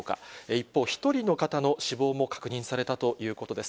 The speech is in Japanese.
一方、１人の方の死亡も確認されたということです。